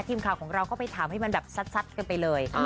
ทีมข่าวของเราก็ไปถามให้มันแบบซัดกันไปเลย